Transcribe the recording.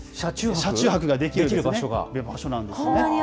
車中泊ができる場所なんですね。